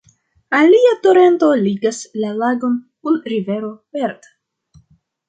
Alia torento ligas la lagon kun rivero Perth.